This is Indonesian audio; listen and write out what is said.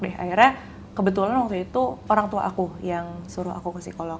deh akhirnya kebetulan waktu itu orang tua aku yang suruh aku ke psikolog